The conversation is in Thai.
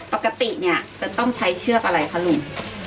ปกติเนี่ยจะต้องใช้เชือกอะไรคะลุง